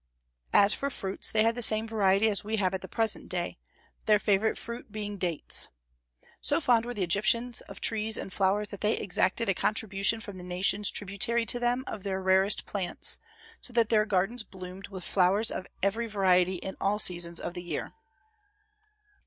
As for fruits, they had the same variety as we have at the present day, their favorite fruit being dates. "So fond were the Egyptians of trees and flowers that they exacted a contribution from the nations tributary to them of their rarest plants, so that their gardens bloomed with flowers of every variety in all seasons of the year."